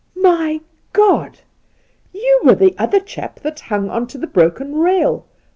'My Godl you were the other, chap that hung on to the broken rail